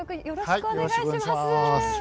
よろしくお願いします。